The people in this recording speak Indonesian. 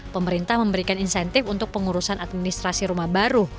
pemerintah memberikan insentif untuk pengurusan administrasi rumah baru